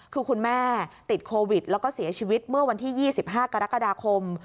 คือคุณแม่ติดโควิดแล้วก็เสียชีวิตเมื่อวันที่๒๕กรกฎาคม